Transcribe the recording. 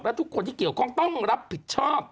และทุกคนที่เกี่ยวข้องต้องรับผิดชอบ